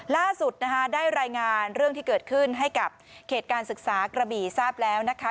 ล่าสุดนะคะได้รายงานเรื่องที่เกิดขึ้นให้กับเขตการศึกษากระบี่ทราบแล้วนะคะ